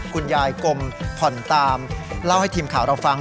คุณยายกลมผ่อนตามเล่าให้ทีมข่าวเราฟัง